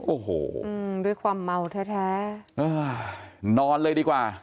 โอ้โหด้วยความเมาแท้แท้นอนเลยดีกว่า